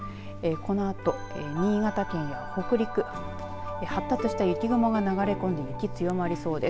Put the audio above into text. このあと、新潟県や北陸発達した雪雲が流れ込んで雪、強まりそうです。